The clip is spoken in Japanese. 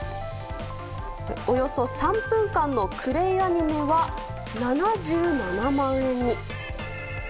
およそ３分間のクレイアニメは７７万円に。